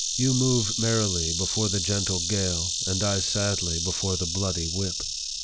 You move merrily before the gentle gale, and I sadly before the bloody whip